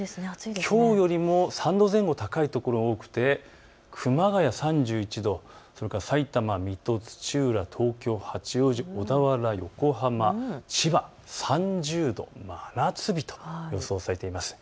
きょうよりも３度前後高い所が多くて熊谷３１度、さいたま、水戸、土浦、東京、八王子、小田原、横浜、千葉３０度、真夏日と予想されています。